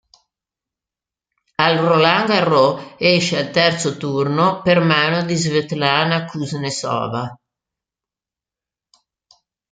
Al Roland Garros esce al terzo turno per mano di Svetlana Kuznecova.